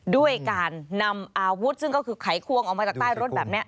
ด้วยการนำอาวุธซึ่งก็คือไขควงออกมาจากใต้รถแบบนี้